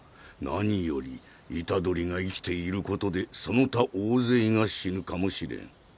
何より虎杖が生きていることでその他大勢が死ぬかもしれん。